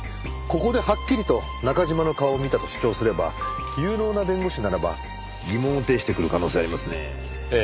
ここではっきりと中嶋の顔を見たと主張すれば有能な弁護士ならば疑問を呈してくる可能性ありますねえ。